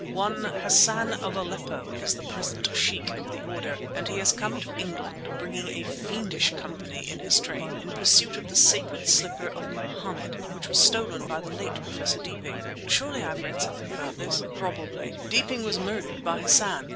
One Hassan of Aleppo is the present Sheikh of the order, and he has come to England, bringing a fiendish company in his train, in pursuit of the sacred slipper of Mohammed, which was stolen by the late Professor Deeping— " "Surely I have read something about this?" "Probably. Deeping was murdered by Hassan!